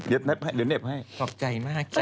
เย็บเน็บให้ขอบใจมากจ๊ะ